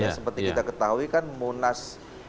ya seperti kita ketahui kan munas